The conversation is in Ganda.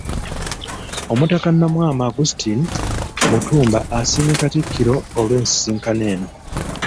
Omutaka Nnamwama Augustine Mutumba asiimye Katikkiro olw'ensisinkano eno